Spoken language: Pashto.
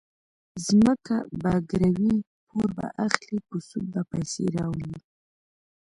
ځمکه به ګروي، پور به اخلي، په سود به پیسې راولي.